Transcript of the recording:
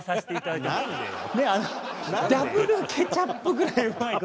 あのダブルケチャップぐらいうまい事。